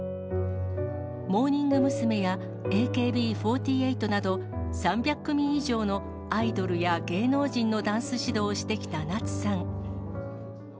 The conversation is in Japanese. モーニング娘。や、ＡＫＢ４８など、３００組以上のアイドルや芸能人のダンス指導をしてきた夏さん。